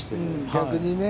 逆にね。